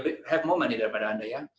mereka punya lebih banyak uang daripada anda ya